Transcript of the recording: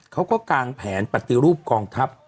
เขาก็กางแผนปฏิรูปกองทัพ